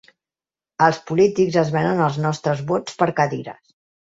Els polítics es venen els nostres vots per cadires.